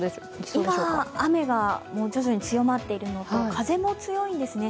今、雨は徐々に強まっているのと風も強いんですね。